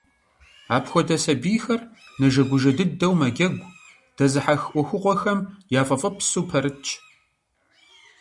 Апхуэдэ сабийхэр нэжэгужэ дыдэу мэджэгу, дэзыхьэх Ӏуэхугъуэхэм яфӀэфӀыпсу пэрытщ.